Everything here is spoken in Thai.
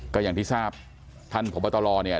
ก็อย่างที่ทราบท่านพบตรเนี่ย